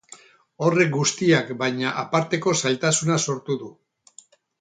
Horrek guztiak, baina, aparteko zailtasuna sortu du.